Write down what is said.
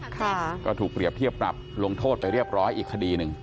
ค่ะก็ถูกเปรียบเทียบปรับลงโทษไปเรียบร้อยอีกคดีหนึ่ง